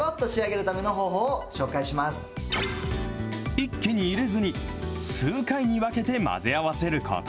一気に入れずに、数回に分けて混ぜ合わせること。